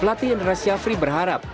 pelati indonesia free berharap